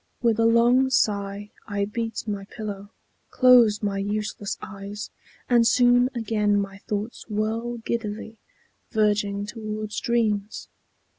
With a long sigh, I beat my pillow, close my useless eyes, And soon again my thoughts whirl giddily, Verging towards dreams.